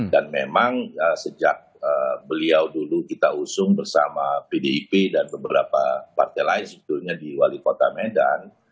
dan memang sejak beliau dulu kita usung bersama pdip dan beberapa partai lain sebetulnya di wali kota medan